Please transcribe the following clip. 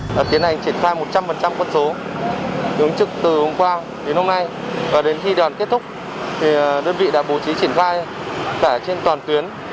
đã tiến hành triển khai một trăm linh quân số đứng trực từ hôm qua đến hôm nay và đến khi đoàn kết thúc đơn vị đã bố trí triển khai cả trên toàn tuyến